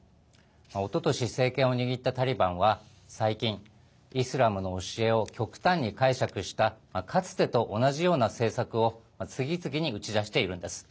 おととし政権を握ったタリバンは最近、イスラムの教えを極端に解釈したかつてと同じような政策を次々に打ち出しているんです。